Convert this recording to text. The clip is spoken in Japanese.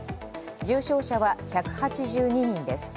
重症者は１８２人です。